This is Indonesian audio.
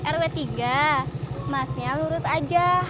rw tiga masnya lurus aja